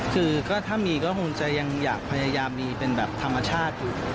คือก็ถ้ามีก็คงจะยังอยากพยายามมีเป็นแบบธรรมชาติอยู่